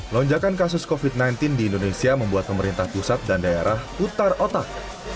lonjakan kasus covid sembilan belas di indonesia membuat pemerintah pusat dan daerah putar otak